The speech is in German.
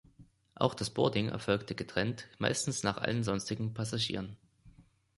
Auch das Boarding erfolgte getrennt, meistens nach allen sonstigen Passagieren.